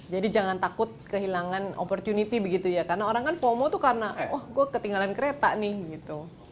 jadi jangan takut kehilangan opportunity begitu ya karena orang kan fomo itu karena wah gue ketinggalan kereta nih gitu